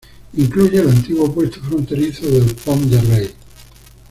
Incluye el antiguo puesto fronterizo del Pont de Rei.